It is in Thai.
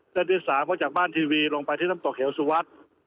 ที่๓เขาจากบ้านทีวีลงไปที่น้ำตกเหวสุวัสดิ์